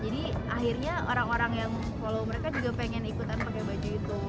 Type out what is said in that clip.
jadi akhirnya orang orang yang follow mereka juga pengen ikutan pakai baju itu